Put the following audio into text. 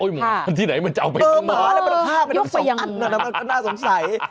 หมอบันที่ไหนมันจะเอาไปทางหม้อยกไปอย่างนั้นนะน่าสงสัย